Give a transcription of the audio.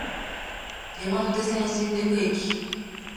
山手線、新宿駅